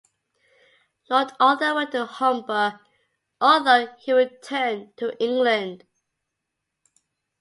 Lord Arthur went to Homburg, although he returned to England.